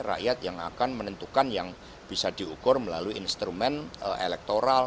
rakyat yang akan menentukan yang bisa diukur melalui instrumen elektoral